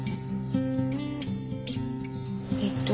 えっと